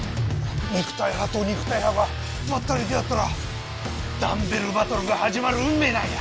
肉体派と肉体派がバッタリ出会ったらダンベルバトルがはじまるうんめいなんや！